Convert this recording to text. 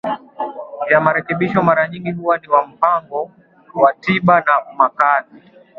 vya marekebisho mara nyingi huwa ni wa mpango wa tiba ya makazi